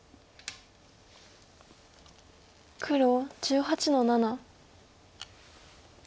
黒１８の七。